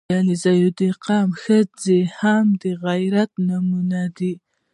• د علیزي قوم ښځې هم د غیرت نمونې دي.